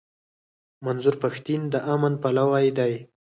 منظور پښتين د امن پلوی دی.